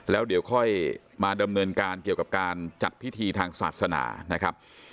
แล้วเดี๋ยวค่อยมาดำเนินการเกี่ยวกับการจัดพิธีทางศาสนานะครับ